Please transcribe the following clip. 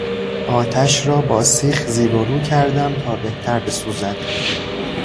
آتش را با سیخ زیر و رو کردم تا بهتر بسوزد.